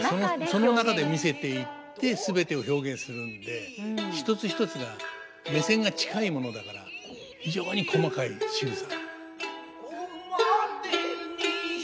その中で見せていって全てを表現するんで一つ一つが目線が近いものだから非常に細かいしぐさ。